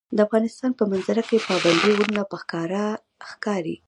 د افغانستان په منظره کې پابندي غرونه په ښکاره ښکاري.